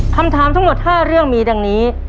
คำถามทั้งหมด๕เรื่องมีดังนี้